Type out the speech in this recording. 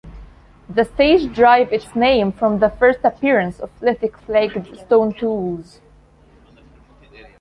The stage derived its name from the first appearance of Lithic flaked stone tools.